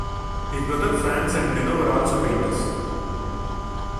His brothers Franz and Benno were also painters.